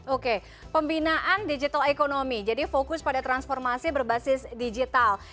oke pembinaan digital economy jadi fokus pada transformasi berbasis digital